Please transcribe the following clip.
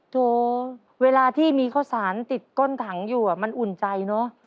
โถเวลาที่มีข้าวสารติดก้นถังอยู่มันอุ่นใจเนอะ